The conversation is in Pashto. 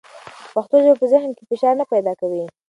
پښتو ژبه په ذهن کې فشار نه پیدا کوي.